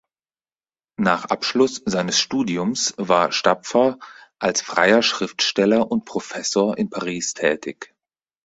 Nach Abschluss seines Studiums war Stapfer als freier Schriftsteller und Professor in Paris tätig.